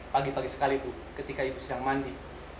pagi pagi sekali bu ketika ibu sedang mandi